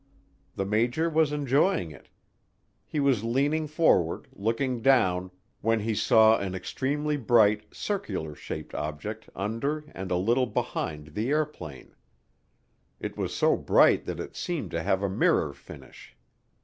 The major was enjoying it. He was leaning forward, looking down, when he saw an extremely bright circular shaped object under and a little behind the airplane. It was so bright that it seemed to have a mirror finish.